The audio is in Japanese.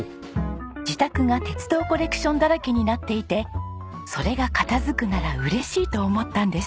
自宅が鉄道コレクションだらけになっていてそれが片付くなら嬉しいと思ったんです。